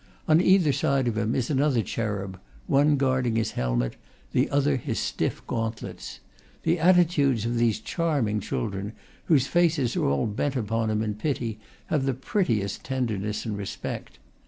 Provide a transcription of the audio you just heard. On either side of him is another cherub: one guarding his helmet, the other his stiff gauntlets. The attitudes of these charm ing children, whose faces are all bent upon him in pity, have the prettiest tenderness and respect.